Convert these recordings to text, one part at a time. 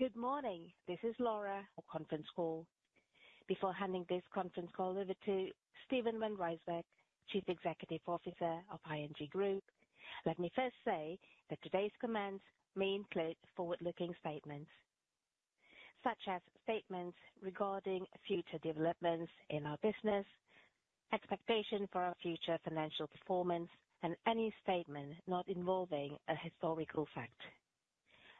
Good morning! This is Laura, our conference call. Before handing this conference call over to Steven van Rijswijk, Chief Executive Officer of ING Group, let me first say that today's comments may include forward-looking statements, such as statements regarding future developments in our business, expectation for our future financial performance, and any statement not involving a historical fact.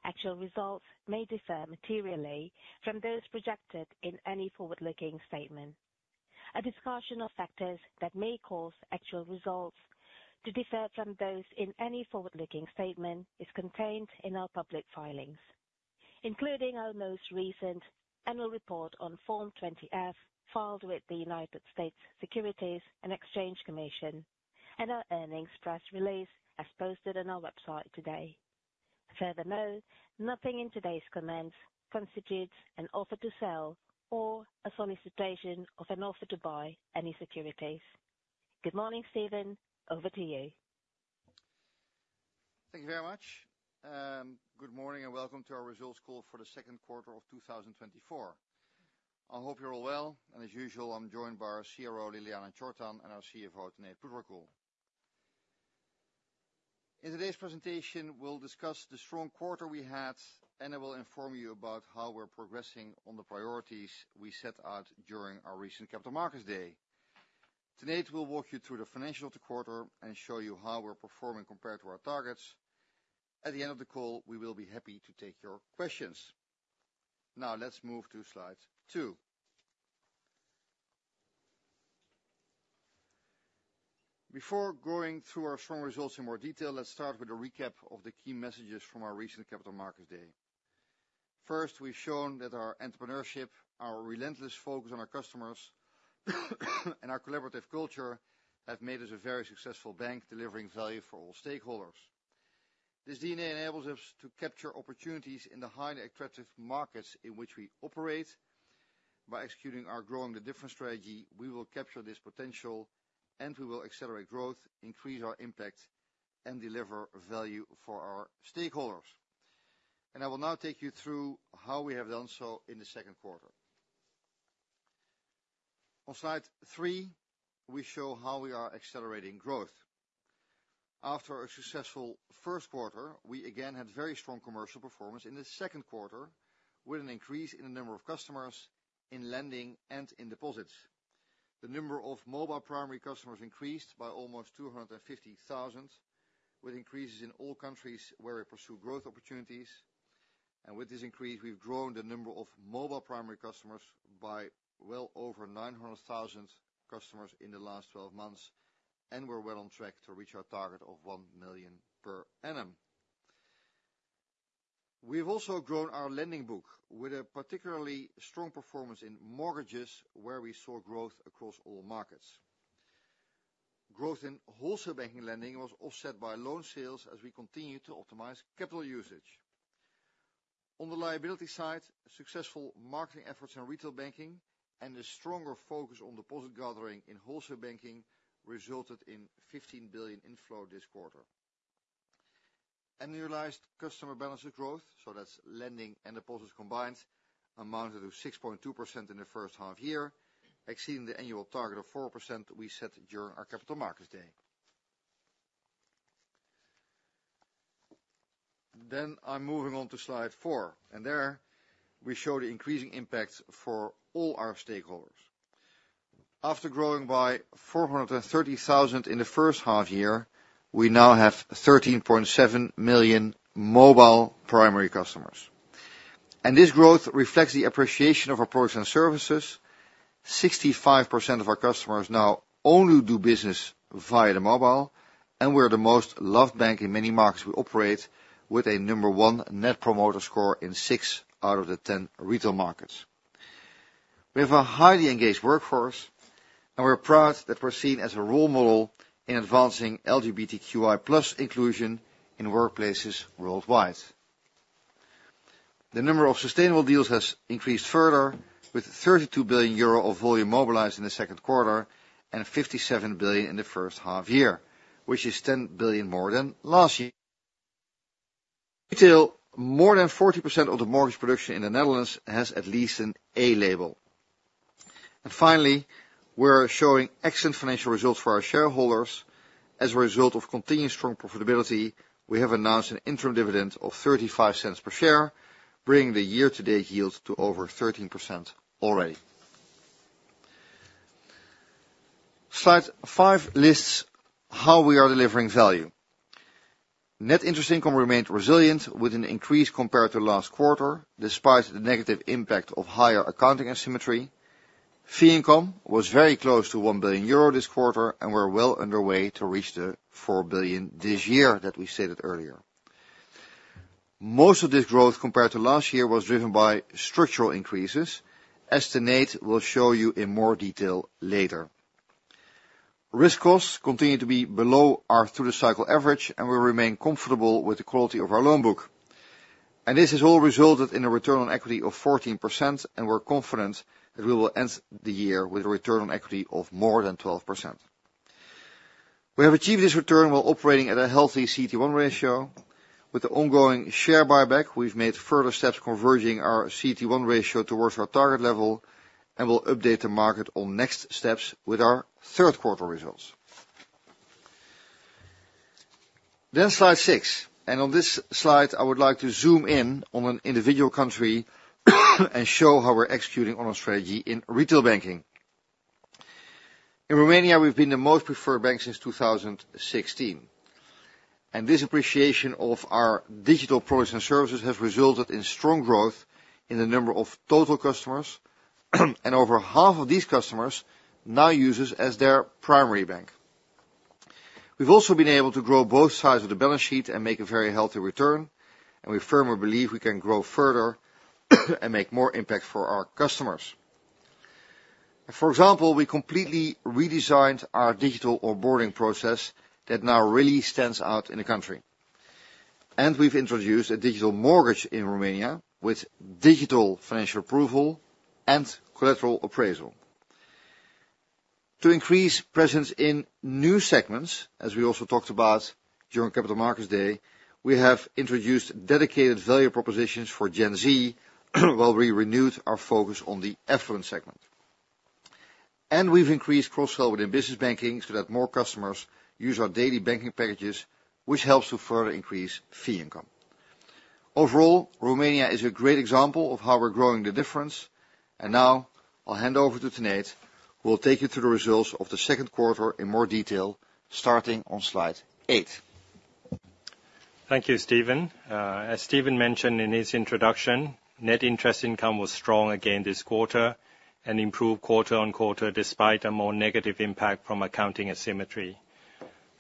Actual results may differ materially from those projected in any forward-looking statement. A discussion of factors that may cause actual results to differ from those in any forward-looking statement is contained in our public filings, including our most recent annual report on Form 20-F, filed with the United States Securities and Exchange Commission, and our earnings press release, as posted on our website today. Furthermore, nothing in today's comments constitutes an offer to sell or a solicitation of an offer to buy any securities. Good morning, Steven. Over to you. Thank you very much. Good morning, and welcome to our Results Call for the Second Quarter of 2024. I hope you're all well, and as usual, I'm joined by our CRO, Ljiljana Čortan, and our CFO, Tanate Phutrakul. In today's presentation, we'll discuss the strong quarter we had, and I will inform you about how we're progressing on the priorities we set out during our recent Capital Markets Day. Today, we'll walk you through the financials of the quarter and show you how we're performing compared to our targets. At the end of the call, we will be happy to take your questions. Now, let's move to slide two. Before going through our strong results in more detail, let's start with a recap of the key messages from our recent Capital Markets Day. First, we've shown that our entrepreneurship, our relentless focus on our customers, and our collaborative culture have made us a very successful bank, delivering value for all stakeholders. This DNA enables us to capture opportunities in the highly attractive markets in which we operate. By executing our Growing the Difference strategy, we will capture this potential and we will accelerate growth, increase our impact, and deliver value for our stakeholders. I will now take you through how we have done so in the second quarter. On slide three, we show how we are accelerating growth. After a successful first quarter, we again had very strong commercial performance in the second quarter, with an increase in the number of customers in lending and in deposits. The number of mobile primary customers increased by almost 250,000, with increases in all countries where we pursue growth opportunities. With this increase, we've grown the number of mobile primary customers by well over 900,000 customers in the last 12 months, and we're well on track to reach our target of 1 million per annum. We've also grown our lending book with a particularly strong performance in mortgages, where we saw growth across all markets. Growth in wholesale banking lending was offset by loan sales as we continued to optimize capital usage. On the liability side, successful marketing efforts in retail banking and a stronger focus on deposit gathering in wholesale banking resulted in 15 billion inflow this quarter. Annualized customer balance of growth, so that's lending and deposits combined, amounted to 6.2% in the first half year, exceeding the annual target of 4% we set during our Capital Markets Day. Then I'm moving on to slide four, and there we show the increasing impact for all our stakeholders. After growing by 430,000 in the first half year, we now have 13.7 million mobile primary customers. This growth reflects the appreciation of our products and services. 65% of our customers now only do business via the mobile, and we're the most loved bank in many markets we operate, with a number one net promoter score in 6 out of the 10 retail markets. We have a highly engaged workforce, and we're proud that we're seen as a role model in advancing LGBTQI+ inclusion in workplaces worldwide. The number of sustainable deals has increased further, with 32 billion euro of volume mobilized in the second quarter and 57 billion in the first half year, which is 10 billion more than last year. Retail, more than 40% of the mortgage production in the Netherlands has at least an A label. Finally, we're showing excellent financial results for our shareholders. As a result of continued strong profitability, we have announced an interim dividend of 0.35 per share, bringing the year-to-date yield to over 13% already. Slide five lists how we are delivering value. Net Interest Income remained resilient, with an increase compared to last quarter, despite the negative impact of higher accounting asymmetry. Fee income was very close to 1 billion euro this quarter, and we're well underway to reach the 4 billion this year that we stated earlier. Most of this growth, compared to last year, was driven by structural increases as Tanate will show you in more detail later. Risk costs continue to be below our through-the-cycle average, and we remain comfortable with the quality of our loan book. This has all resulted in a return on equity of 14%, and we're confident that we will end the year with a return on equity of more than 12%. We have achieved this return while operating at a healthy CET1 ratio. With the ongoing share buyback, we've made further steps converging our CET1 ratio towards our target level, and we'll update the market on next steps with our third quarter results. Slide six, and on this slide, I would like to zoom in on an individual country and show how we're executing on our strategy in retail banking. In Romania, we've been the most preferred bank since 2016, and this appreciation of our digital products and services has resulted in strong growth in the number of total customers, and over half of these customers now use us as their primary bank. We've also been able to grow both sides of the balance sheet and make a very healthy return, and we firmly believe we can grow further and make more impact for our customers. For example, we completely redesigned our digital onboarding process that now really stands out in the country. We've introduced a digital mortgage in Romania with digital financial approval and collateral appraisal. To increase presence in new segments, as we also talked about during Capital Markets Day, we have introduced dedicated value propositions for Gen Z, while we renewed our focus on the affluent segment. We've increased cross-sell within business banking so that more customers use our daily banking packages, which helps to further increase fee income. Overall, Romania is a great example of how we're Growing the Difference, and now I'll hand over to Tanate, who will take you through the results of the second quarter in more detail, starting on slide eight. Thank you, Steven. As Steven mentioned in his introduction, net interest income was strong again this quarter and improved quarter-over-quarter, despite a more negative impact from accounting asymmetry.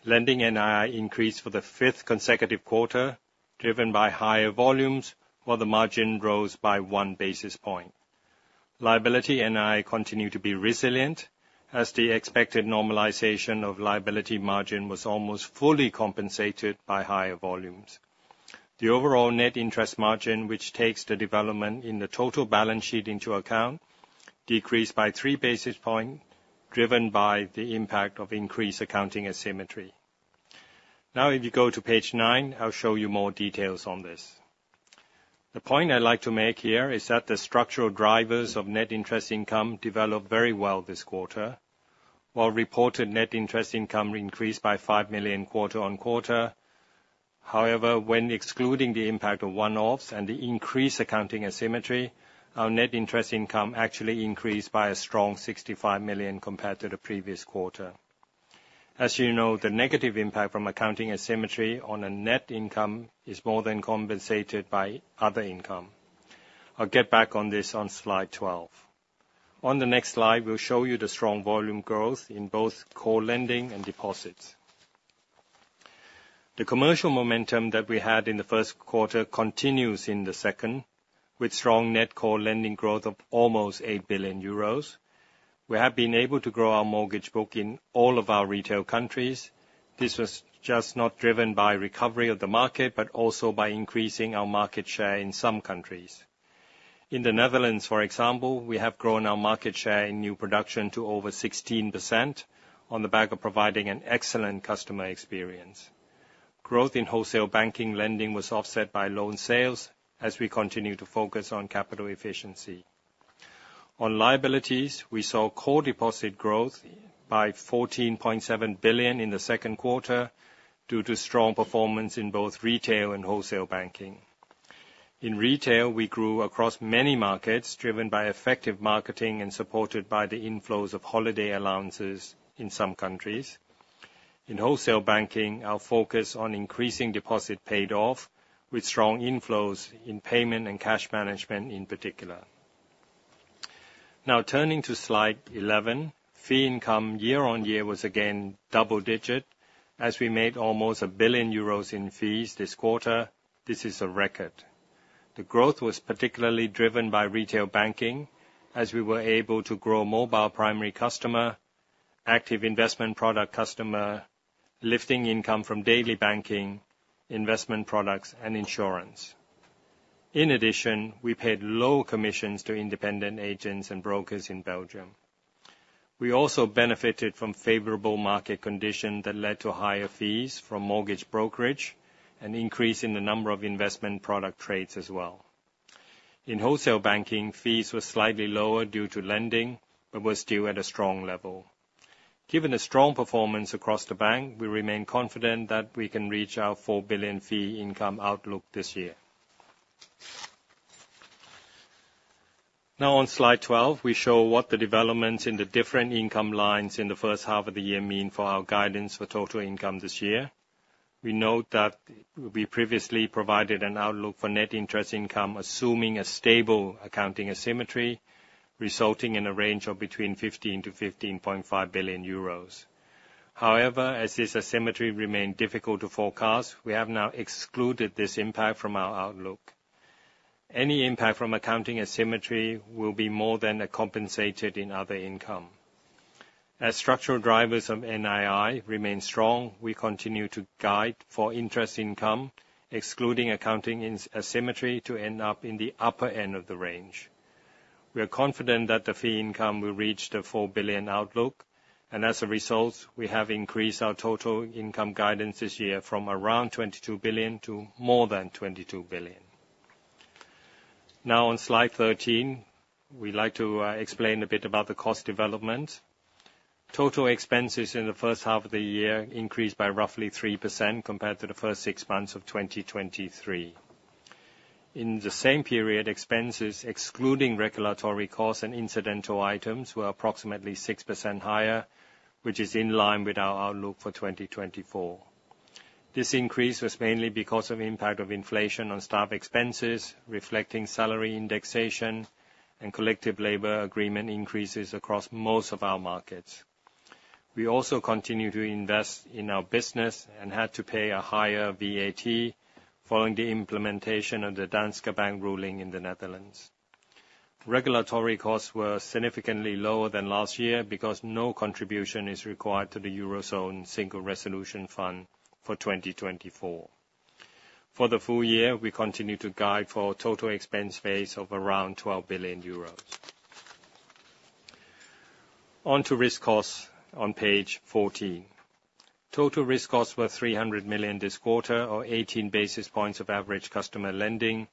Lending NII increased for the fifth consecutive quarter, driven by higher volumes, while the margin rose by one basis point. Liability NII continued to be resilient, as the expected normalization of liability margin was almost fully compensated by higher volumes. The overall net interest margin, which takes the development in the total balance sheet into account, decreased by three basis points, driven by the impact of increased accounting asymmetry. Now, if you go to page nine, I'll show you more details on this. The point I'd like to make here is that the structural drivers of net interest income developed very well this quarter. While reported net interest income increased by 5 million quarter-on-quarter, however, when excluding the impact of one-offs and the increased accounting asymmetry, our net interest income actually increased by a strong 65 million compared to the previous quarter. As you know, the negative impact from accounting asymmetry on a net income is more than compensated by other income. I'll get back on this on slide 12. On the next slide, we'll show you the strong volume growth in both core lending and deposits. The commercial momentum that we had in the first quarter continues in the second, with strong net core lending growth of almost 8 billion euros. We have been able to grow our mortgage book in all of our retail countries. This was just not driven by recovery of the market, but also by increasing our market share in some countries. In the Netherlands, for example, we have grown our market share in new production to over 16% on the back of providing an excellent customer experience. Growth in wholesale banking lending was offset by loan sales as we continue to focus on capital efficiency. On liabilities, we saw core deposit growth by 14.7 billion in the second quarter due to strong performance in both retail and wholesale banking. In retail, we grew across many markets, driven by effective marketing and supported by the inflows of holiday allowances in some countries. In wholesale banking, our focus on increasing deposit paid off, with strong inflows in payment and cash management in particular. Now turning to slide 11, fee income year-on-year was again double digit, as we made almost 1 billion euros in fees this quarter. This is a record. The growth was particularly driven by retail banking, as we were able to grow mobile primary customer, active investment product customer, lifting income from daily banking, investment products, and insurance. In addition, we paid low commissions to independent agents and brokers in Belgium. We also benefited from favorable market conditions that led to higher fees from mortgage brokerage, an increase in the number of investment product trades as well. In wholesale banking, fees were slightly lower due to lending but were still at a strong level. Given the strong performance across the bank, we remain confident that we can reach our 4 billion fee income outlook this year. Now on slide 12, we show what the developments in the different income lines in the first half of the year mean for our guidance for total income this year. We note that we previously provided an outlook for net interest income, assuming a stable accounting asymmetry, resulting in a range of between 15 billion-15.5 billion euros. However, as this asymmetry remained difficult to forecast, we have now excluded this impact from our outlook. Any impact from accounting asymmetry will be more than compensated in other income. As structural drivers of NII remain strong, we continue to guide for interest income, excluding accounting asymmetry, to end up in the upper end of the range. We are confident that the fee income will reach the 4 billion outlook, and as a result, we have increased our total income guidance this year from around 22 billion to more than 22 billion. Now, on slide 13, we'd like to explain a bit about the cost development. Total expenses in the first half of the year increased by roughly 3% compared to the first six months of 2023. In the same period, expenses, excluding regulatory costs and incidental items, were approximately 6% higher, which is in line with our outlook for 2024. This increase was mainly because of impact of inflation on staff expenses, reflecting salary indexation and collective labor agreement increases across most of our markets. We also continue to invest in our business and had to pay a higher VAT following the implementation of the Danske Bank ruling in the Netherlands. Regulatory costs were significantly lower than last year because no contribution is required to the Eurozone Single Resolution Fund for 2024. For the full year, we continue to guide for total expense base of around 12 billion euros. On to risk costs on page 14. Total risk costs were 300 million this quarter, or 18 basis points of average customer lending,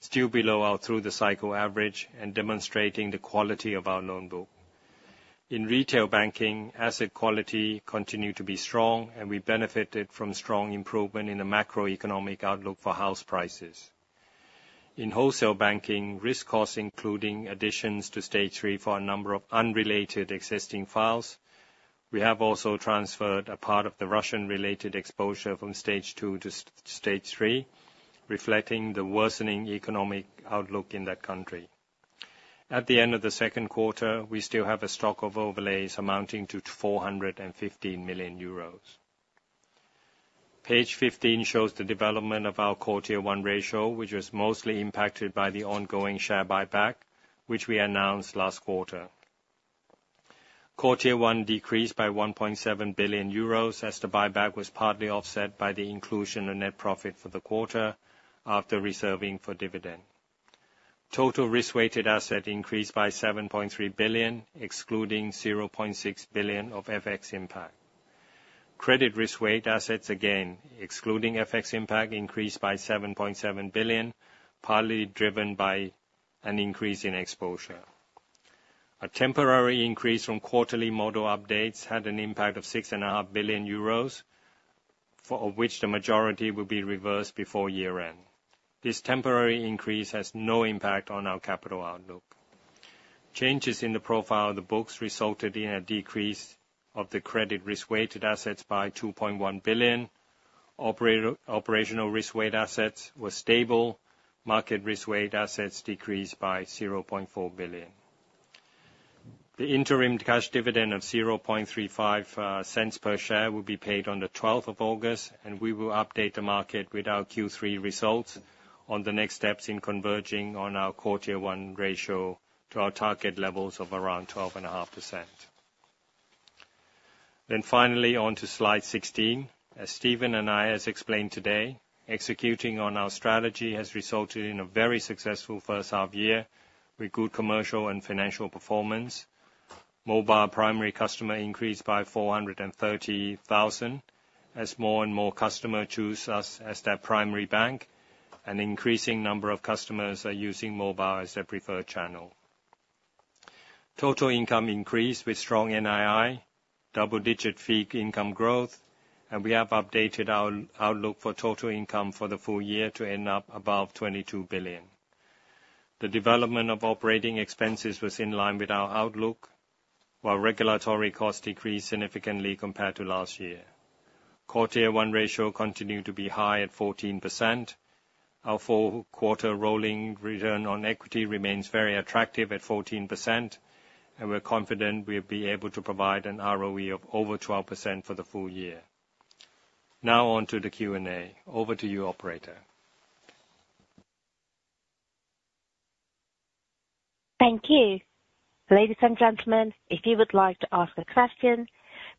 still below our through-the-cycle average and demonstrating the quality of our loan book. In retail banking, asset quality continued to be strong, and we benefited from strong improvement in the macroeconomic outlook for house prices. In wholesale banking, risk costs, including additions to Stage 3 for a number of unrelated existing files, we have also transferred a part of the Russian-related exposure from Stage 2 to Stage 3, reflecting the worsening economic outlook in that country. At the end of the second quarter, we still have a stock of overlays amounting to 415 million euros. Page 15 shows the development of our Core Tier One ratio, which was mostly impacted by the ongoing share buyback, which we announced last quarter. Core Tier 1 decreased by 1.7 billion euros, as the buyback was partly offset by the inclusion of net profit for the quarter after reserving for dividend. Total risk-weighted assets increased by 7.3 billion, excluding 0.6 billion of FX impact. Credit risk-weighted assets, again, excluding FX impact, increased by 7.7 billion, partly driven by an increase in exposure. A temporary increase from quarterly model updates had an impact of 6.5 billion euros, of which the majority will be reversed before year-end. This temporary increase has no impact on our capital outlook. Changes in the profile of the books resulted in a decrease of the credit risk-weighted assets by 2.1 billion. Operational risk-weighted assets were stable. Market risk-weighted assets decreased by 0.4 billion. The interim cash dividend of 0.35 per share will be paid on the twelfth of August, and we will update the market with our Q3 results on the next steps in converging on our Core Tier One ratio to our target levels of around 12.5%. Then finally, on to slide 16. As Steven and I has explained today, executing on our strategy has resulted in a very successful first half year with good commercial and financial performance. Mobile primary customer increased by 430,000, as more and more customer choose us as their primary bank, an increasing number of customers are using mobile as their preferred channel. Total income increased with strong NII, double-digit fee income growth, and we have updated our outlook for total income for the full year to end up above 22 billion. The development of operating expenses was in line with our outlook, while regulatory costs decreased significantly compared to last year. Core Tier 1 ratio continued to be high at 14%. Our four-quarter rolling return on equity remains very attractive at 14%, and we're confident we'll be able to provide an ROE of over 12% for the full year. Now on to the Q&A. Over to you, operator. Thank you. Ladies and gentlemen, if you would like to ask a question,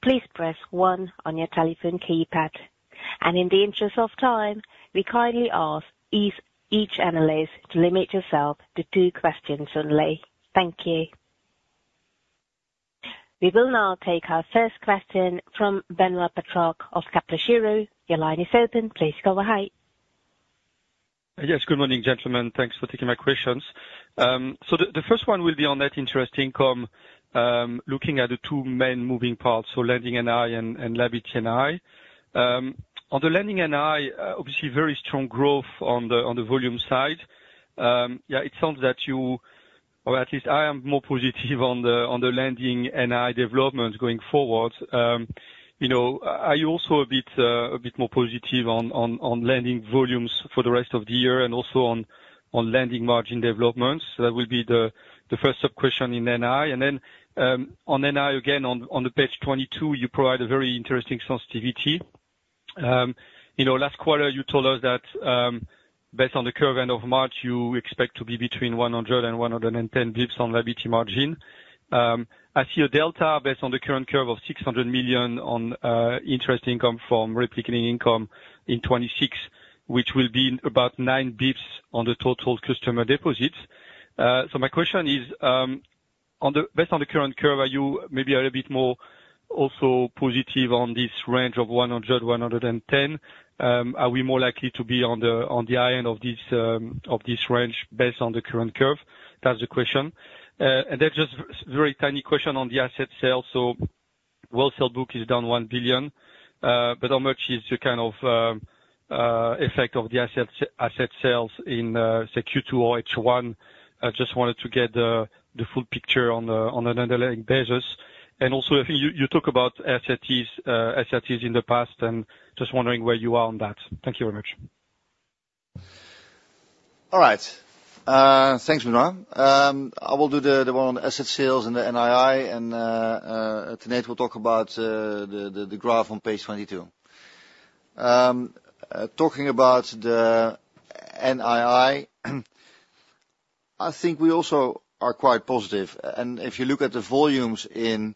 please press 1 on your telephone keypad. In the interest of time, we kindly ask each analyst to limit yourself to two questions only. Thank you. We will now take our first question from Benoît Pétrarque of Kepler Cheuvreux. Your line is open. Please go ahead. Yes, good morning, gentlemen. Thanks for taking my questions. So the first one will be on net interest income, looking at the two main moving parts, so lending NII and liability NII. On the lending NII, obviously, very strong growth on the volume side. Yeah, it sounds that you, or at least I am more positive on the lending NII development going forward. You know, are you also a bit more positive on lending volumes for the rest of the year and also on lending margin developments? That will be the first sub-question in NII. And then, on NII, again, on page 22, you provide a very interesting sensitivity. You know, last quarter, you told us that, based on the current end of March, you expect to be between 100 basis points and 110 basis points on liability margin. I see a delta based on the current curve of 600 million on interest income from replicating income in 2026, which will be about 9 basis points on the total customer deposits. So my question is, based on the current curve, are you maybe a bit more also positive on this range of 100 basis points, 110 basis points? Are we more likely to be on the high end of this range, based on the current curve? That's the question. And then just very tiny question on the asset sale. So wholesale book is down 1 billion, but how much is the kind of effect of the asset sales in, say, Q2 or H1? I just wanted to get the full picture on an underlying basis. And also, I think you talk about SRTs in the past, and just wondering where you are on that. Thank you very much. All right. Thanks, Benoit. I will do the one on asset sales and the NII, and Nate will talk about the graph on page 22. Talking about the NII, I think we also are quite positive. If you look at the volumes in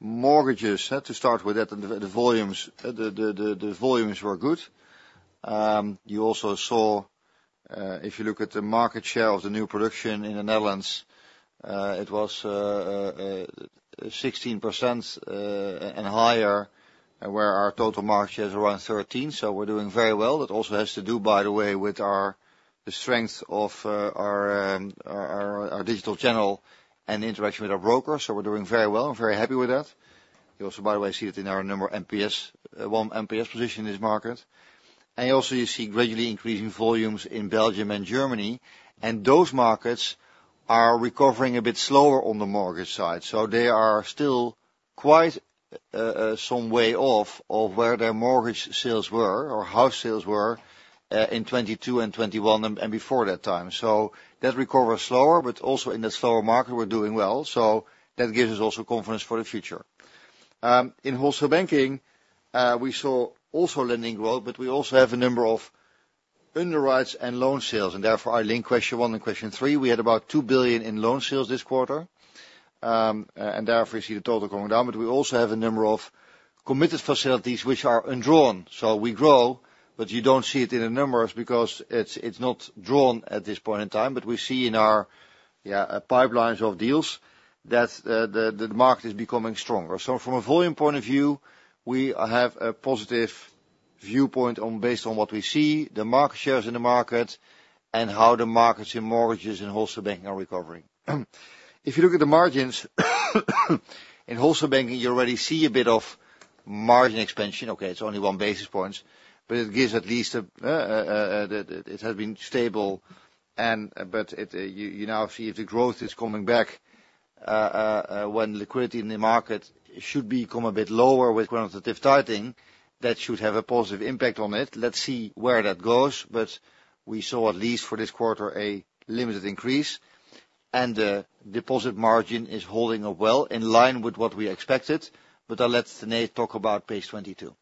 mortgages, let's start with that, the volumes were good. You also saw, if you look at the market share of the new production in the Netherlands, it was 16%, and higher, where our total market share is around 13. So we're doing very well. That also has to do, by the way, with the strength of our digital channel and interaction with our brokers. So we're doing very well and very happy with that. You also, by the way, see it in our number one NPS position in this market. And also you see gradually increasing volumes in Belgium and Germany, and those markets are recovering a bit slower on the mortgage side. So they are still quite some way off of where their mortgage sales were or how sales were in 2022 and 2021 and before that time. So that recover slower, but also in the slower market, we're doing well, so that gives us also confidence for the future. In wholesale banking, we saw also lending growth, but we also have a number of underwrites and loan sales, and therefore I link question one and question three. We had about 2 billion in loan sales this quarter. And therefore you see the total going down, but we also have a number of committed facilities which are undrawn. So we grow, but you don't see it in the numbers because it's, it's not drawn at this point in time. But we see in our, yeah, pipelines of deals that, the, the market is becoming stronger. So from a volume point of view, we are have a positive viewpoint on- based on what we see, the market shares in the market and how the markets in mortgages and wholesale banking are recovering. If you look at the margins, in wholesale banking, you already see a bit of margin expansion. Okay, it's only one basis points, but it gives at least, that it has been stable and. But you now see if the growth is coming back, when liquidity in the market should become a bit lower with quantitative tightening, that should have a positive impact on it. Let's see where that goes, but we saw, at least for this quarter, a limited increase, and the deposit margin is holding up well, in line with what we expected. But I'll let Nate talk about page 22.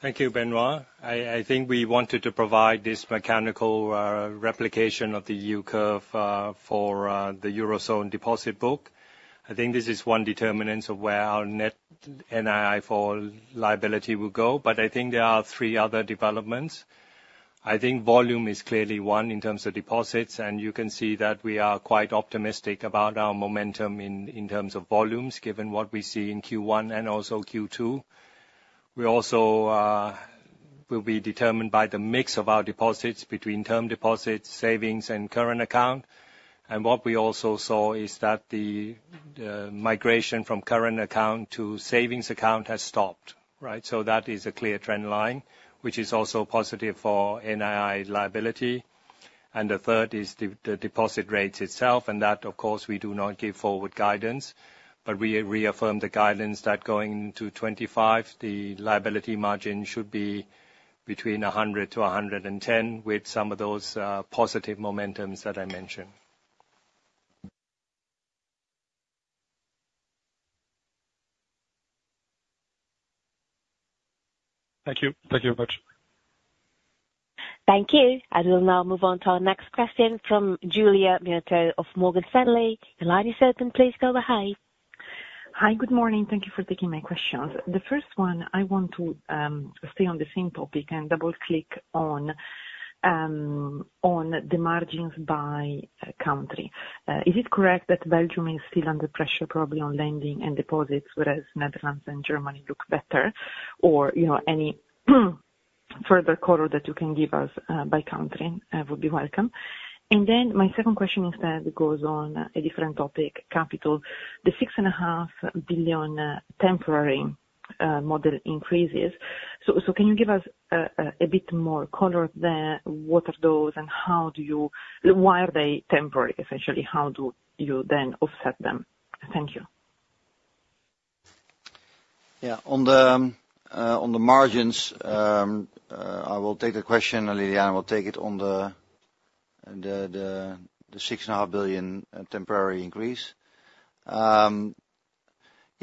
Thank you, Benoit. I think we wanted to provide this mechanical replication of the yield curve for the Eurozone deposit book. I think this is one determinant of where our net NII for liability will go, but I think there are three other developments. I think volume is clearly one in terms of deposits, and you can see that we are quite optimistic about our momentum in terms of volumes, given what we see in Q1 and also Q2. We also will be determined by the mix of our deposits between term deposits, savings, and current account. And what we also saw is that the migration from current account to savings account has stopped, right? So that is a clear trend line, which is also positive for NII liability. The third is the deposit rates itself, and that, of course, we do not give forward guidance, but we reaffirm the guidance that going to 2025, the liability margin should be between 100 basis points-110 basis points, with some of those positive momentums that I mentioned. Thank you. Thank you very much. Thank you. I will now move on to our next question from Giulia Miotto of Morgan Stanley. The line is open. Please go ahead. Hi, good morning. Thank you for taking my questions. The first one, I want to stay on the same topic and double-click on the margins by country. Is it correct that Belgium is still under pressure, probably on lending and deposits, whereas Netherlands and Germany look better? Or, you know, any further color that you can give us by country would be welcome. And then my second question instead goes on a different topic, capital. The 6.5 billion temporary model increases. So can you give us a bit more color there? What are those, and how do you, why are they temporary, essentially? How do you then offset them? Thank you. Yeah, on the margins, I will take the question, Ljiljana, I will take it on the 6.5 billion temporary increase.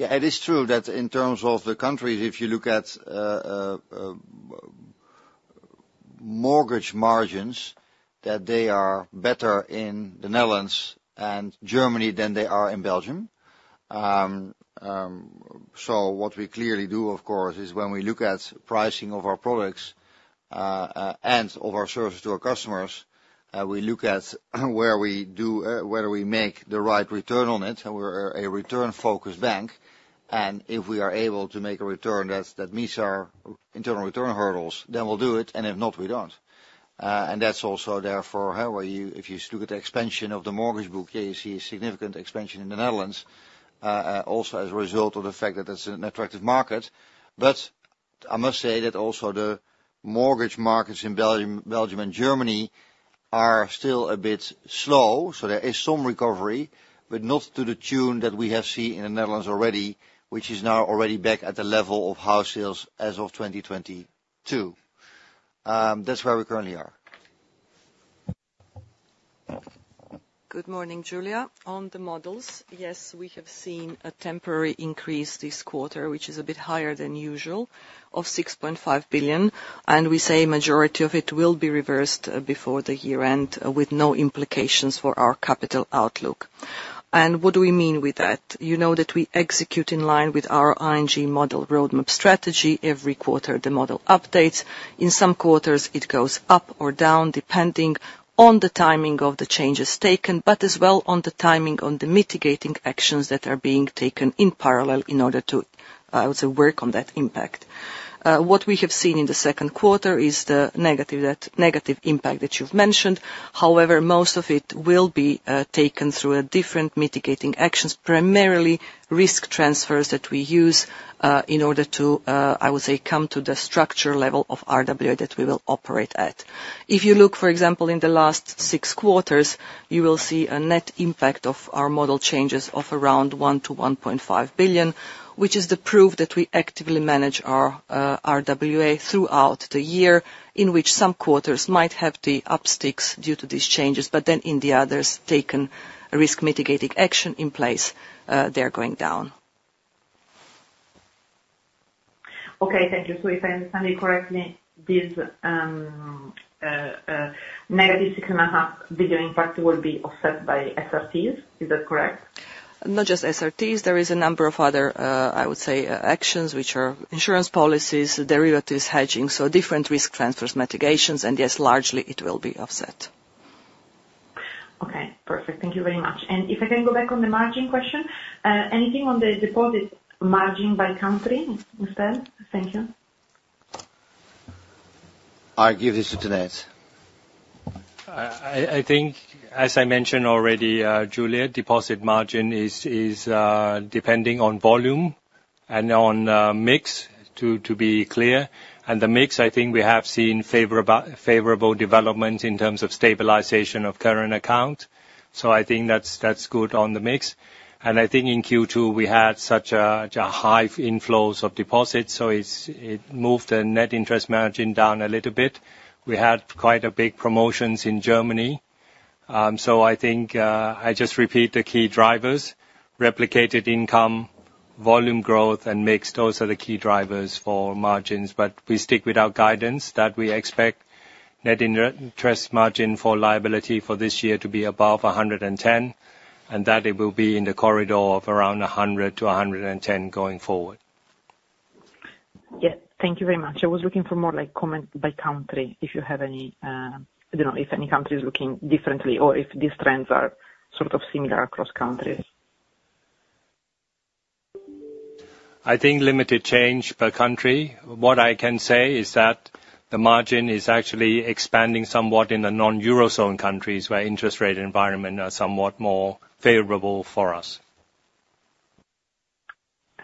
Yeah, it is true that in terms of the countries, if you look at mortgage margins, that they are better in the Netherlands and Germany than they are in Belgium. So what we clearly do, of course, is when we look at pricing of our products and of our service to our customers, we look at where we make the right return on it, and we're a return-focused bank. And if we are able to make a return that meets our internal return hurdles, then we'll do it, and if not, we don't. And that's also therefore how you—if you look at the expansion of the mortgage book, you see a significant expansion in the Netherlands, also as a result of the fact that it's an attractive market. But I must say that also the mortgage markets in Belgium and Germany are still a bit slow, so there is some recovery, but not to the tune that we have seen in the Netherlands already, which is now already back at the level of house sales as of 2022. That's where we currently are. Good morning, Giulia. On the models, yes, we have seen a temporary increase this quarter, which is a bit higher than usual, of 6.5 billion, and we say majority of it will be reversed before the year-end, with no implications for our capital outlook. And what do we mean with that? You know that we execute in line with our ING model roadmap strategy. Every quarter, the model updates. In some quarters, it goes up or down, depending on the timing of the changes taken, but as well on the timing on the mitigating actions that are being taken in parallel in order to work on that impact. What we have seen in the second quarter is the negative, negative impact that you've mentioned. However, most of it will be taken through a different mitigating actions, primarily risk transfers that we use, in order to, I would say, come to the structure level of RWA that we will operate at. If you look, for example, in the last six quarters, you will see a net impact of our model changes of around 1 billion-1.5 billion, which is the proof that we actively manage our RWA throughout the year, in which some quarters might have the upsticks due to these changes, but then in the others, taken a risk mitigating action in place, they're going down. Okay, thank you. So if I understand you correctly, this negative 6.5 billion impact will be offset by SRTs. Is that correct? Not just SRTs. There is a number of other, I would say, actions, which are insurance policies, derivatives, hedging, so different risk transfers, mitigations, and yes, largely it will be offset. Okay, perfect. Thank you very much. And if I can go back on the margin question, anything on the deposit margin by country, Steven? Thank you. I give this to Tanate. I think as I mentioned already, Giulia, deposit margin is depending on volume and on mix, to be clear. And the mix, I think we have seen favorable development in terms of stabilization of current account. So I think that's good on the mix. And I think in Q2, we had such a high inflows of deposits, so it moved the net interest margin down a little bit. We had quite a big promotions in Germany. So I think I just repeat the key drivers: replicated income, volume growth, and mix. Those are the key drivers for margins, but we stick with our guidance that we expect net interest margin for liabilities for this year to be above 110 basis points, and that it will be in the corridor of around 100 basis points-110 basis points going forward. Yeah. Thank you very much. I was looking for more like comment by country, if you have any, you know, if any country is looking differently or if these trends are sort of similar across countries. I think limited change per country. What I can say is that the margin is actually expanding somewhat in the non-Eurozone countries, where interest rate environment are somewhat more favorable for us.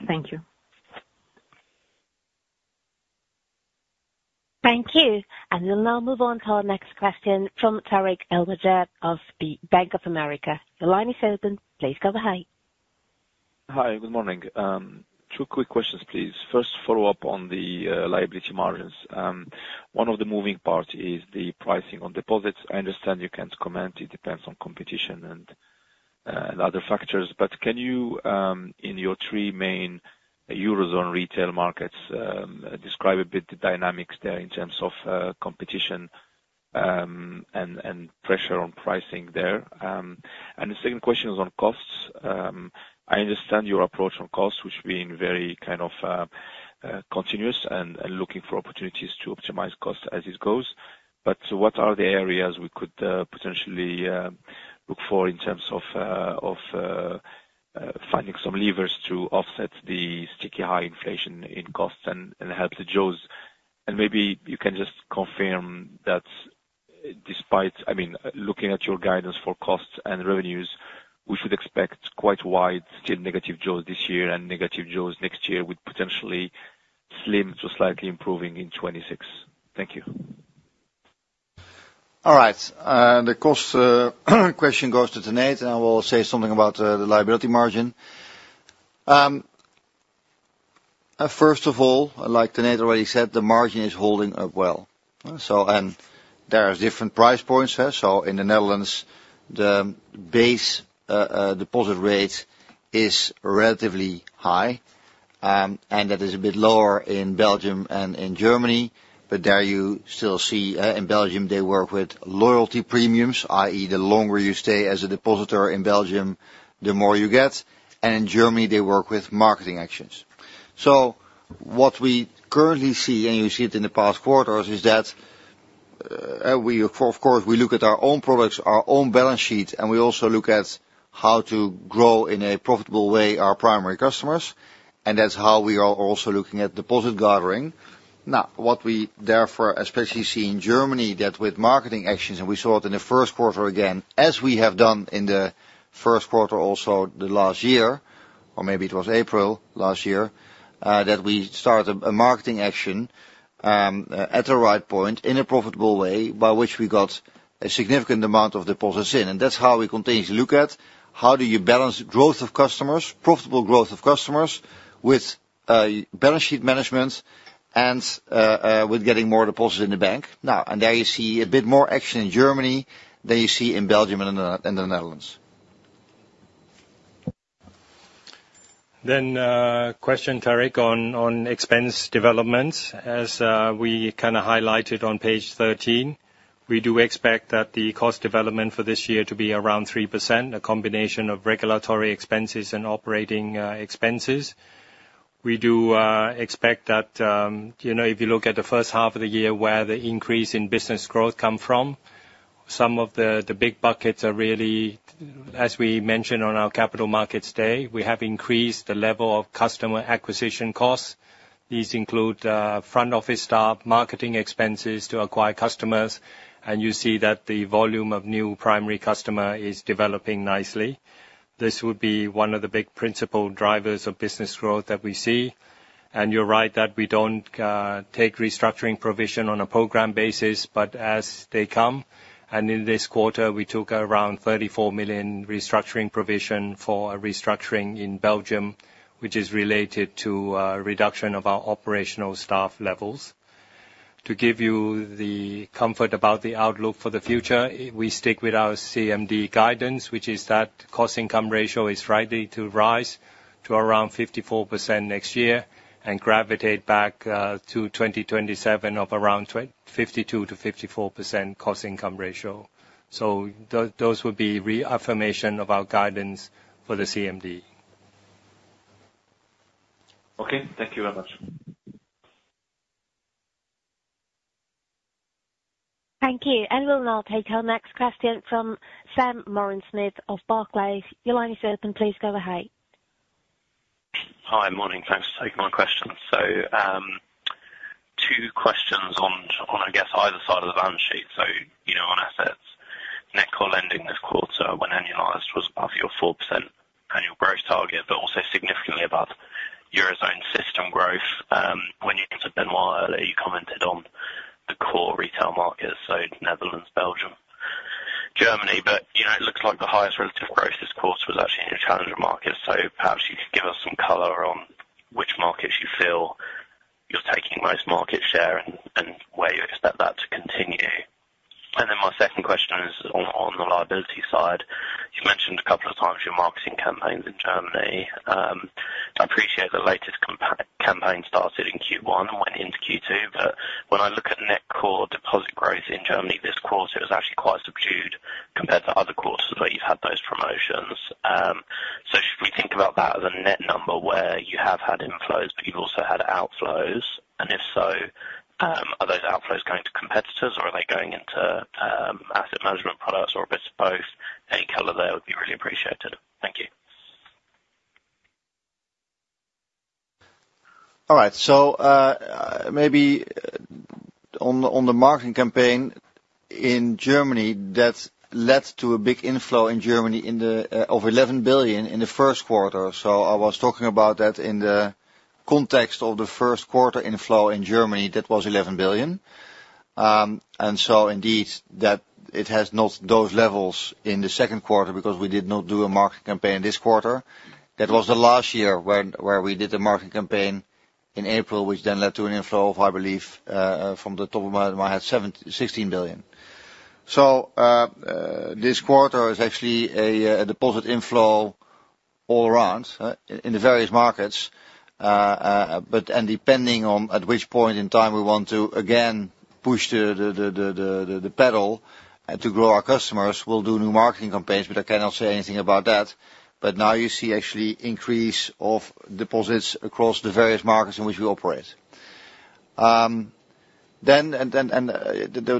Thank you. Thank you. We'll now move on to our next question from Tarik El Mejjad of Bank of America. Your line is open. Please go ahead. Hi, good morning. Two quick questions, please. First, follow up on the liability margins. One of the moving parts is the pricing on deposits. I understand you can't comment, it depends on competition and other factors, but can you in your three main Eurozone retail markets describe a bit the dynamics there in terms of competition and pressure on pricing there? And the second question is on costs. I understand your approach on costs, which being very kind of continuous and looking for opportunities to optimize costs as it goes. But what are the areas we could potentially look for in terms of finding some levers to offset the sticky high inflation in costs and help the joes? And maybe you can just confirm that despite. I mean, looking at your guidance for costs and revenues, we should expect quite wide, still negative joes this year and negative joes next year, with potentially slim to slightly improving in 2026. Thank you. All right, the cost question goes to Tanate, and I will say something about the liability margin. First of all, like Tanate already said, the margin is holding up well. So, and there are different price points there. So in the Netherlands, the base deposit rate is relatively high. And that is a bit lower in Belgium and in Germany, but there you still see, in Belgium, they work with loyalty premiums, i.e., the longer you stay as a depositor in Belgium, the more you get, and in Germany, they work with marketing actions. So what we currently see, and you see it in the past quarters, is that, we of course look at our own products, our own balance sheet, and we also look at how to grow in a profitable way, our primary customers, and that's how we are also looking at deposit gathering. Now, what we therefore especially see in Germany, that with marketing actions, and we saw it in the first quarter, again, as we have done in the first quarter, also the last year, or maybe it was April last year, that we started a marketing action at the right point in a profitable way, by which we got a significant amount of deposits in. That's how we continue to look at how do you balance growth of customers, profitable growth of customers, with balance sheet management and with getting more deposits in the bank. Now, there you see a bit more action in Germany than you see in Belgium and in the Netherlands. Then, question, Tarik, on expense developments. As we kind of highlighted on page 13, we do expect that the cost development for this year to be around 3%, a combination of regulatory expenses and operating expenses. We do expect that, you know, if you look at the first half of the year, where the increase in business growth come from, some of the big buckets are really, as we mentioned on our Capital Markets Day, we have increased the level of customer acquisition costs. These include front office staff, marketing expenses to acquire customers, and you see that the volume of new primary customer is developing nicely. This would be one of the big principle drivers of business growth that we see. And you're right that we don't take restructuring provision on a program basis, but as they come, and in this quarter, we took around 34 million restructuring provision for a restructuring in Belgium, which is related to a reduction of our operational staff levels. To give you the comfort about the outlook for the future, we stick with our CMD guidance, which is that cost-income ratio is likely to rise to around 54% next year and gravitate back to 2027 of around 52%-54% cost-income ratio. So those would be reaffirmation of our guidance for the CMD. Okay, thank you very much. Thank you. We'll now take our next question from Sam Moran-Smyth of Barclays. Your line is open. Please go ahead. Hi. Morning. Thanks for taking my question. So, two questions on, on I guess either side of the balance sheet. So, you know, on assets. Net core lending this quarter when annualized, was above your 4% annual growth target, but also significantly above Eurozone system growth. When you talked to Benoît earlier, you commented on the core retail markets, so Netherlands, Belgium, Germany. But, you know, it looks like the highest relative growth this quarter was actually in your challenger markets. So perhaps you could give us some color on which markets you feel you're taking the most market share and, and where you expect that to continue. And then my second question is on, on the liability side. You mentioned a couple of times your marketing campaigns in Germany. I appreciate the latest campaign started in Q1 and went into Q2, but when I look at net core deposit growth in Germany this quarter, it was actually quite subdued compared to other quarters where you've had those promotions. So should we think about that as a net number where you have had inflows, but you've also had outflows? And if so, are those outflows going to competitors, or are they going into asset management products, or a bit of both? Any color there would be really appreciated. Thank you. All right. So, maybe on the marketing campaign in Germany, that led to a big inflow in Germany of 11 billion in the first quarter. So I was talking about that in the context of the first quarter inflow in Germany, that was 11 billion. And so indeed, that it has not those levels in the second quarter because we did not do a marketing campaign this quarter. That was the last year where we did a marketing campaign in April, which then led to an inflow of, I believe, from the top of my head, 16 billion. So, this quarter is actually a deposit inflow all around in the various markets. And depending on at which point in time we want to again push the pedal and to grow our customers, we'll do new marketing campaigns, but I cannot say anything about that. But now you see actually increase of deposits across the various markets in which we operate. There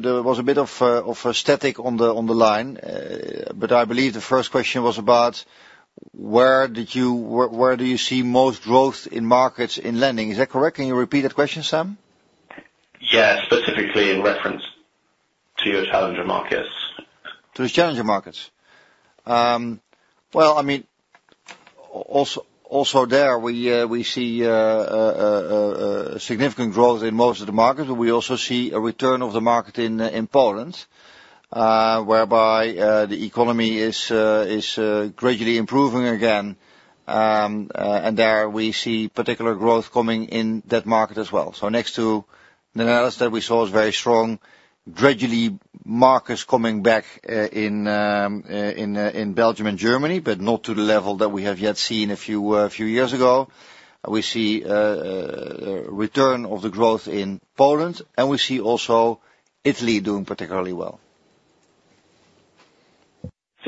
was a bit of static on the line, but I believe the first question was about where did you, where do you see most growth in markets in lending? Is that correct? Can you repeat that question, Sam? Yeah, specifically in reference to your challenger markets. To the challenger markets. Well, I mean, also there, we see significant growth in most of the markets, but we also see a return of the market in Poland, whereby the economy is gradually improving again. And there we see particular growth coming in that market as well. So next to the Netherlands that we saw is very strong, gradually markets coming back in Belgium and Germany, but not to the level that we have yet seen a few years ago. We see a return of the growth in Poland, and we see also Italy doing particularly well.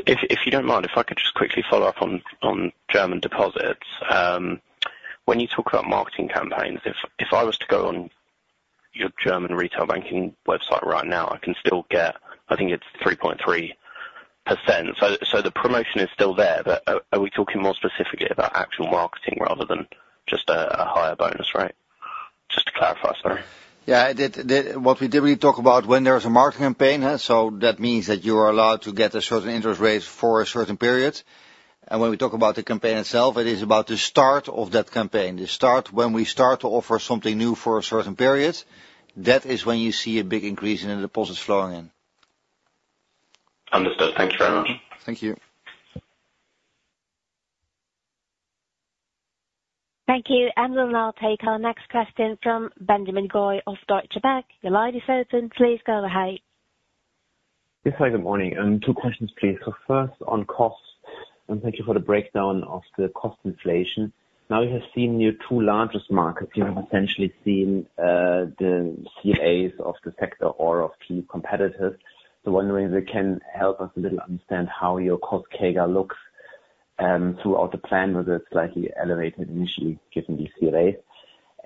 If you don't mind, if I could just quickly follow up on German deposits. When you talk about marketing campaigns, if I was to go on your German retail banking website right now, I can still get, I think it's 3.3%. So the promotion is still there, but are we talking more specifically about actual marketing rather than just a higher bonus rate? Just to clarify, sorry. Yeah, what we typically talk about when there is a marketing campaign, so that means that you are allowed to get a certain interest rate for a certain period. And when we talk about the campaign itself, it is about the start of that campaign. The start, when we start to offer something new for a certain period, that is when you see a big increase in the deposits flowing in. Understood. Thank you very much. Thank you. Thank you, and we'll now take our next question from Benjamin Goy of Deutsche Bank. Your line is open. Please go ahead. Yes, hi, good morning, and two questions, please. So first, on costs, and thank you for the breakdown of the cost inflation. Now, we have seen your two largest markets. We have essentially seen the CAS of the sector or of key competitors. So wondering if you can help us a little understand how your cost CAGR looks throughout the plan, whether it's slightly elevated initially given the CRA.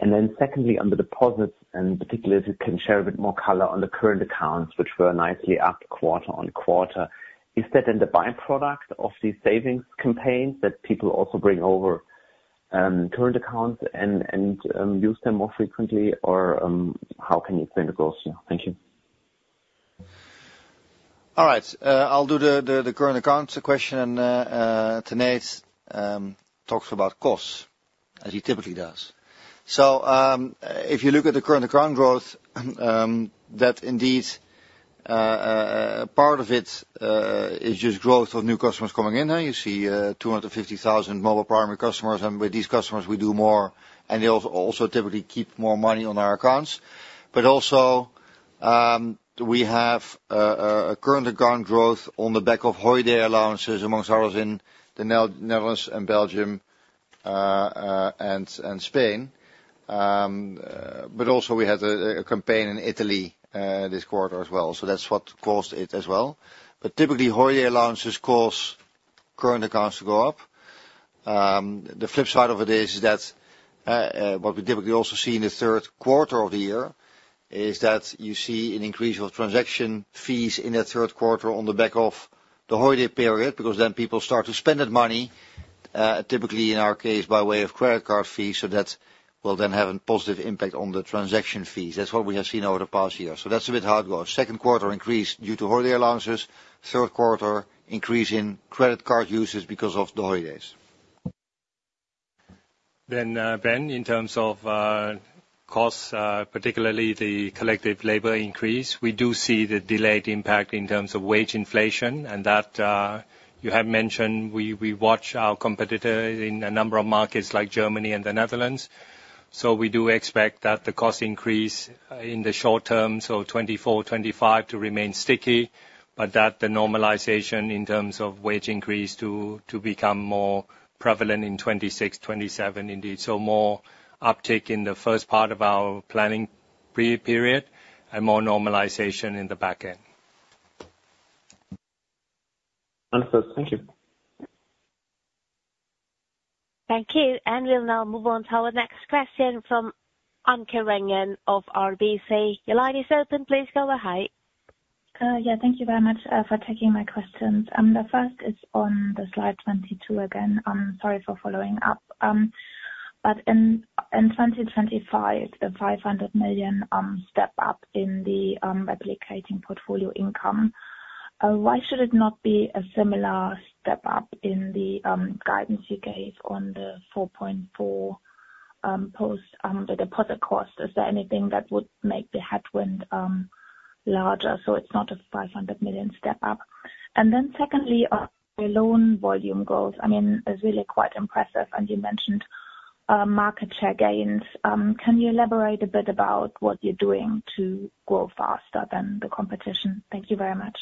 And then secondly, on the deposits, and particularly if you can share a bit more color on the current accounts, which were nicely up quarter-on-quarter. Is that then the by-product of these savings campaigns, that people also bring over current accounts and use them more frequently? Or, how can you explain the growth? Thank you. All right. I'll do the current accounts question, and Tanate talks about costs, as he typically does. So, if you look at the current account growth, that indeed part of it is just growth of new customers coming in. You see 250,000 mobile primary customers, and with these customers, we do more, and they also typically keep more money on our accounts. But also, we have a current account growth on the back of holiday allowances, among others, in the Netherlands and Belgium, and Spain. But also we had a campaign in Italy this quarter as well, so that's what caused it as well. But typically, holiday allowances cause current accounts to go up. The flip side of it is that, what we typically also see in the third quarter of the year, is that you see an increase of transaction fees in that third quarter on the back of the holiday period, because then people start to spend that money, typically in our case, by way of credit card fees, so that will then have a positive impact on the transaction fees. That's what we have seen over the past year. So that's a bit how it goes. Second quarter increase due to holiday allowances, third quarter increase in credit card usage because of the holidays. Then, Ben, in terms of costs, particularly the collective labor increase, we do see the delayed impact in terms of wage inflation, and that you have mentioned, we, we watch our competitor in a number of markets like Germany and the Netherlands. So we do expect that the cost increase in the short term, so 2024, 2025, to remain sticky, but that the normalization in terms of wage increase to become more prevalent in 2026, 2027 indeed. So more uptick in the first part of our planning period, and more normalization in the back end. Understood. Thank you. Thank you, and we'll now move on to our next question from Anke Reingen of RBC. Your line is open. Please go ahead. Yeah, thank you very much for taking my questions. The first is on the slide 22 again. I'm sorry for following up. But in 2025, the 500 million step up in the replicating portfolio income, why should it not be a similar step up in the guidance you gave on the 4.4 post the deposit cost? Is there anything that would make the headwind larger so it's not a 500 million step up? And then secondly, on the loan volume goals, I mean, it's really quite impressive, and you mentioned market share gains. Can you elaborate a bit about what you're doing to grow faster than the competition? Thank you very much.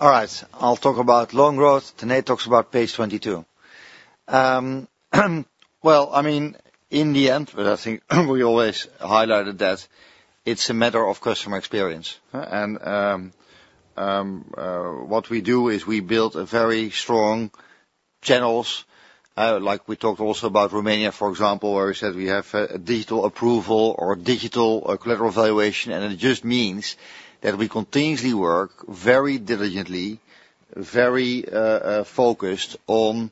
All right, I'll talk about loan growth. Tanate talks about page 22. Well, I mean, in the end, but I think we always highlighted that it's a matter of customer experience. And, what we do is we build a very strong channels, like we talked also about Romania, for example, where we said we have a digital approval or digital collateral valuation, and it just means that we continuously work very diligently, very focused on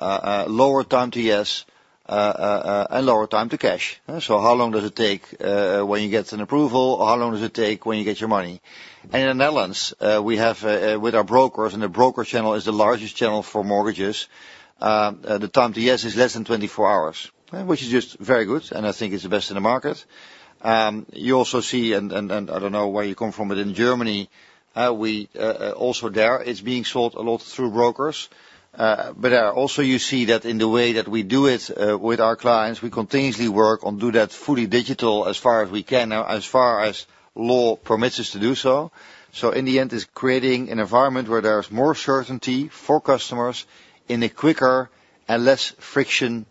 lower time to yes, and lower time to cash. So how long does it take when you get an approval? How long does it take when you get your money? In the Netherlands, we have with our brokers, and the broker channel is the largest channel for mortgages, the time to yes is less than 24 hours, which is just very good, and I think it's the best in the market. You also see, and I don't know where you come from, but in Germany, we also there, it's being sold a lot through brokers. But also you see that in the way that we do it, with our clients, we continuously work on do that fully digital as far as we can, as far as law permits us to do so. So in the end, it's creating an environment where there's more certainty for customers in a quicker and less friction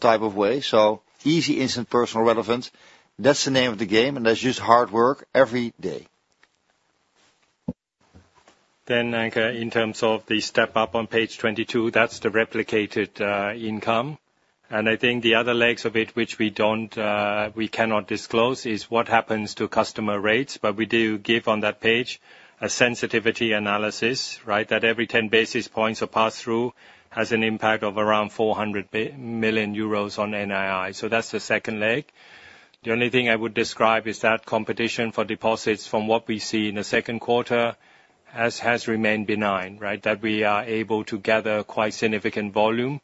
type of way. So easy, instant, personal relevance, that's the name of the game, and that's just hard work every day. Then, Anke, in terms of the step up on page 22, that's the replicated income. And I think the other legs of it, which we don't, we cannot disclose, is what happens to customer rates. But we do give on that page a sensitivity analysis, right? That every 10 basis points of pass-through has an impact of around 400 million euros on NII. So that's the second leg. The only thing I would describe is that competition for deposits from what we see in the second quarter has remained benign, right? That we are able to gather quite significant volume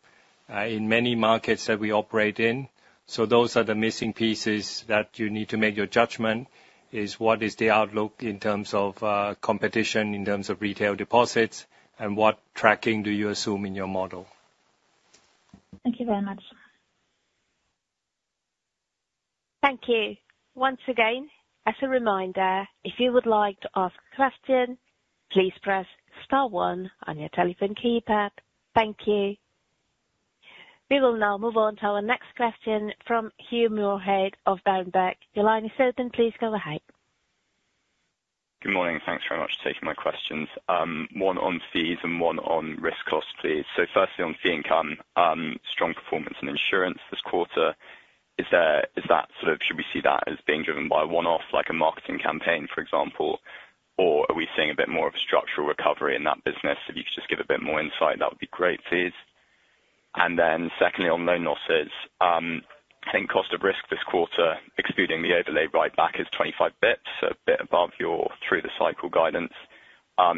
in many markets that we operate in. So those are the missing pieces that you need to make your judgment, is what is the outlook in terms of competition, in terms of retail deposits, and what tracking do you assume in your model? Thank you very much. Thank you. Once again, as a reminder, if you would like to ask a question, please press *1 on your telephone keypad. Thank you. We will now move on to our next question from Hugh Moorhead of Berenberg. Your line is open. Please go ahead. Good morning. Thanks very much for taking my questions. One on fees and one on risk costs, please. So firstly, on fee income, strong performance in insurance this quarter. Is that sort of - should we see that as being driven by a one-off, like a marketing campaign, for example? Or are we seeing a bit more of a structural recovery in that business? If you could just give a bit more insight, that would be great, please. And then secondly, on loan losses, I think cost of risk this quarter, excluding the overlay write back, is 25 basis points, so a bit above your through-the-cycle guidance.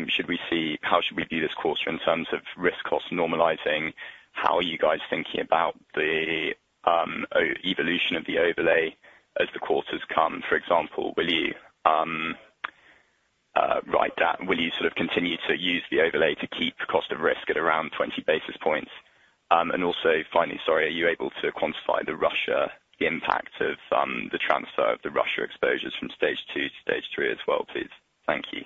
Should we see... How should we view this quarter in terms of risk costs normalizing? How are you guys thinking about the evolution of the overlay as the quarters come? For example, will you sort of continue to use the overlay to keep cost of risk at around 20 basis points? And also, finally, sorry, are you able to quantify the Russia impact of the transfer of the Russia exposures from Stage 2 to Stage 3 as well, please? Thank you.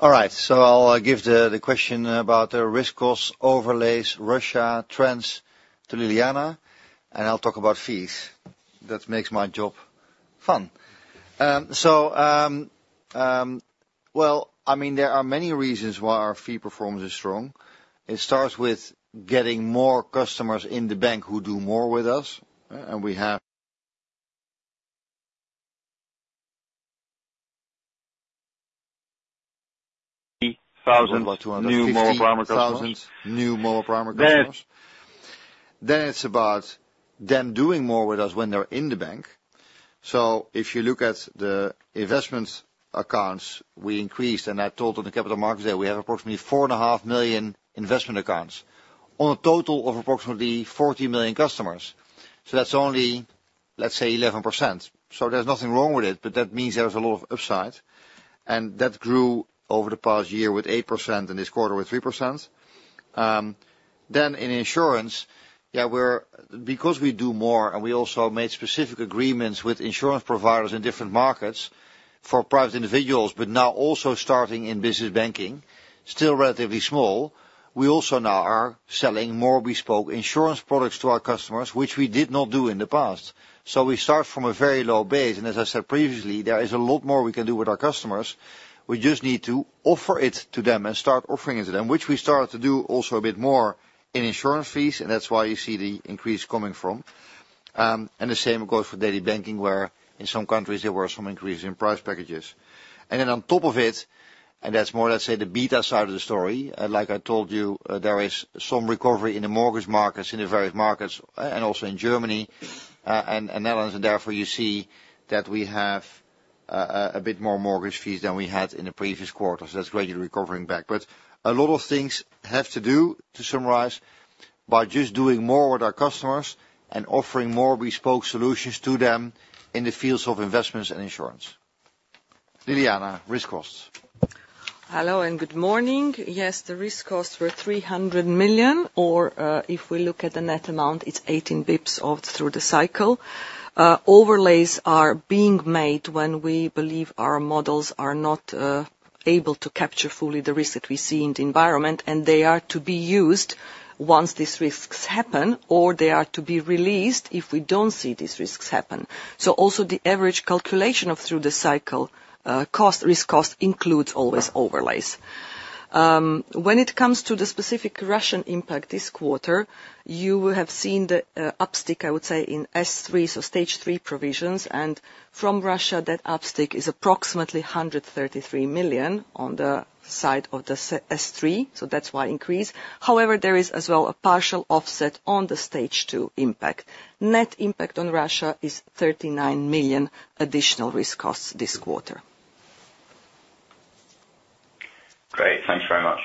All right. So I'll give the question about the risk cost overlays, Russia trends to Ljiljana, and I'll talk about fees. That makes my job fun. Well, I mean, there are many reasons why our fee performance is strong. It starts with getting more customers in the bank who do more with us, and we have thousand. New mobile primary customers. 1,000 new mobile primary customers. Then. Then it's about them doing more with us when they're in the bank. So if you look at the investment accounts, we increased, and I told on the Capital Markets Day, we have approximately 4.5 million investment accounts on a total of approximately 40 million customers. So that's only, let's say, 11%. So there's nothing wrong with it, but that means there is a lot of upside, and that grew over the past year with 8% and this quarter with 3%. Then in insurance, yeah, we're, because we do more and we also made specific agreements with insurance providers in different markets for private individuals, but now also starting in business banking, still relatively small, we also now are selling more bespoke insurance products to our customers, which we did not do in the past. So we start from a very low base, and as I said previously, there is a lot more we can do with our customers. We just need to offer it to them and start offering it to them, which we started to do also a bit more in insurance fees, and that's why you see the increase coming from. And the same goes for daily banking, where in some countries there were some increases in price packages. And then on top of it, and that's more, let's say, the beta side of the story, like I told you, there is some recovery in the mortgage markets, in the various markets, and also in Germany, and Netherlands, and therefore you see that we have a bit more mortgage fees than we had in the previous quarters. That's gradually recovering back. But a lot of things have to do, to summarize, by just doing more with our customers and offering more bespoke solutions to them in the fields of investments and insurance. Ljiljana, risk costs. Hello, and good morning. Yes, the risk costs were 300 million, or, if we look at the net amount, it's 18 basis points of through the cycle. Overlays are being made when we believe our models are not able to capture fully the risk that we see in the environment, and they are to be used once these risks happen, or they are to be released if we don't see these risks happen. So also the average calculation of through the cycle cost risk cost includes always overlays. When it comes to the specific Russian impact this quarter, you will have seen the upstick, I would say, in S3, so Stage 3 provisions, and from Russia, that upstick is approximately 133 million on the side of the S3, so that's why increase. However, there is as well a partial offset on the Stage 2 impact. Net impact on Russia is 39 million additional risk costs this quarter. Great. Thank you very much.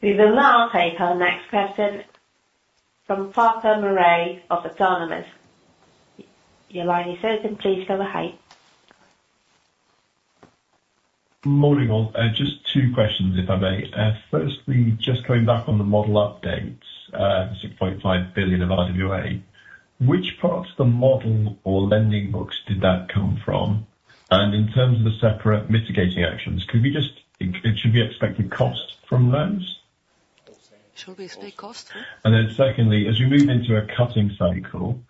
We will now take our next question from Farquhar Murray of Autonomous Research. Your line is open. Please go ahead. Morning, all. Just two questions, if I may. Firstly, just coming back on the model updates, 6.5 billion of RWA.... Which parts of the model or lending books did that come from? And in terms of the separate mitigating actions, could we just-- it, it should be expected cost from those? Should be expected cost? And then secondly, as you move into a cutting cycle,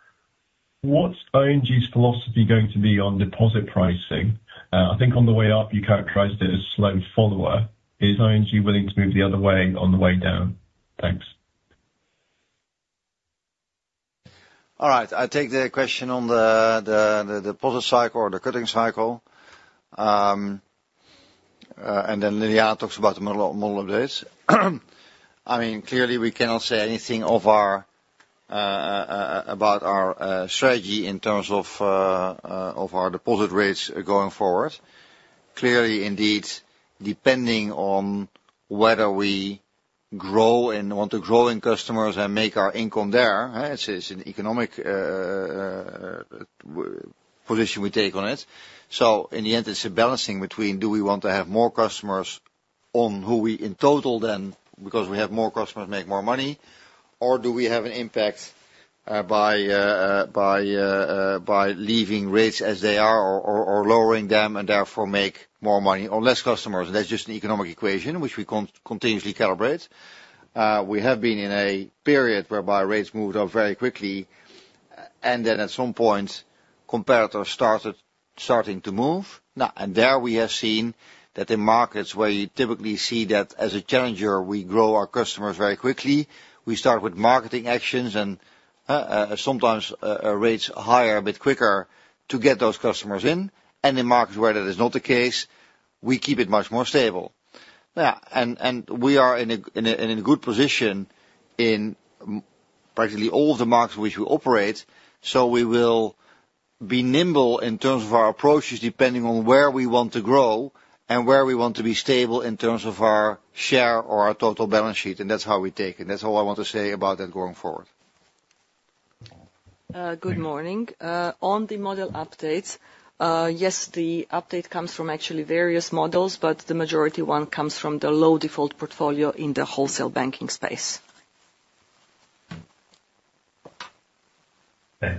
what's ING's philosophy going to be on deposit pricing? I think on the way up, you characterized it as slow follower. Is ING willing to move the other way on the way down? Thanks. All right. I take the question on the deposit cycle or the cutting cycle. And then Ljiljana talks about the model updates. I mean, clearly, we cannot say anything about our strategy in terms of our deposit rates going forward. Clearly, indeed, depending on whether we grow and want to grow in customers and make our income there, it's an economic position we take on it. So in the end, it's a balancing between, do we want to have more customers on who we... In total then, because we have more customers, make more money, or do we have an impact by leaving rates as they are or lowering them and therefore make more money or less customers? That's just an economic equation, which we continuously calibrate. We have been in a period whereby rates moved up very quickly, and then at some point, competitors started to move. Now, and there, we have seen that in markets where you typically see that as a challenger, we grow our customers very quickly. We start with marketing actions and, sometimes, rates higher a bit quicker to get those customers in, and in markets where that is not the case, we keep it much more stable. Yeah, and we are in a good position in practically all of the markets which we operate, so we will be nimble in terms of our approaches, depending on where we want to grow and where we want to be stable in terms of our share or our total balance sheet, and that's how we take it. That's all I want to say about that going forward. Good morning. On the model updates, yes, the update comes from actually various models, but the majority one comes from the Low Default Portfolio in the wholesale banking space. Okay.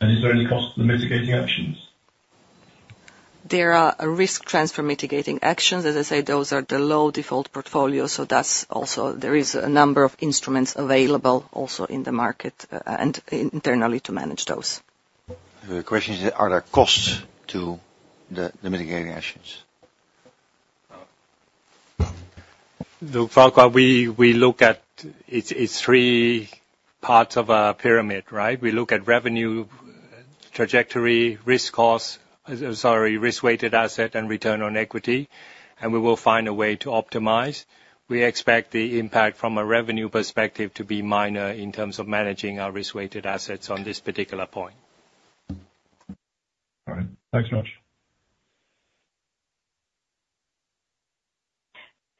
And is there any cost to the mitigating actions? There are a risk transfer mitigating actions. As I said, those are the low default portfolios, so that's also... There is a number of instruments available also in the market, and internally to manage those. The question is, are there costs to the mitigating actions? Look, Farquhar, we look at it's three parts of a pyramid, right? We look at revenue, trajectory, risk costs, sorry, risk-weighted asset, and return on equity, and we will find a way to optimize. We expect the impact from a revenue perspective to be minor in terms of managing our risk-weighted assets on this particular point. All right. Thanks much.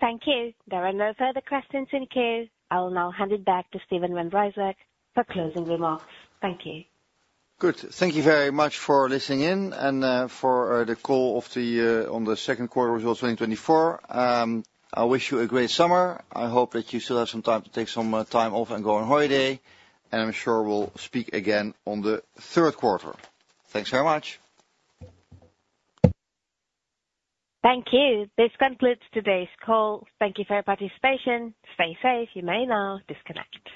Thank you. There are no further questions in the queue. I will now hand it back to Steven van Rijswijk for closing remarks. Thank you. Good. Thank you very much for listening in and for the call on the second quarter results of 2024. I wish you a great summer. I hope that you still have some time to take some time off and go on holiday, and I'm sure we'll speak again on the third quarter. Thanks very much. Thank you. This concludes today's call. Thank you for your participation. Stay safe. You may now disconnect.